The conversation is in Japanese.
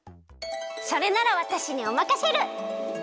それならわたしにおまかシェル！